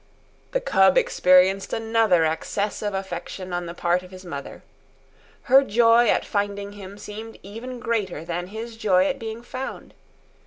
The cub experienced another access of affection on the part of his mother. Her joy at finding him seemed even greater than his joy at being found.